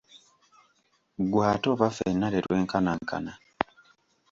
Ggwe ate oba ffenna tetwenkanankana.